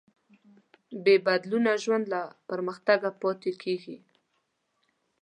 بېبدلونه ژوند له پرمختګه پاتې کېږي.